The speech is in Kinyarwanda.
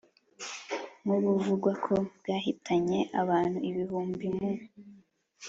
nk'ubuvugwa ko bwahitanye abantu ibihumbi mu